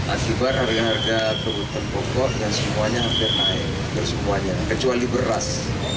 akibat harga harga kebutuhan pokok yang semuanya hampir naik hampir semuanya kecuali beras